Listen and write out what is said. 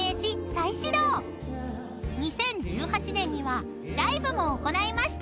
［２０１８年にはライブも行いました］